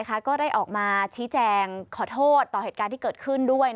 ก็ได้ออกมาชี้แจงขอโทษต่อเหตุการณ์ที่เกิดขึ้นด้วย